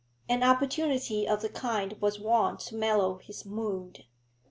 An opportunity of the kind was wont to mellow his mood.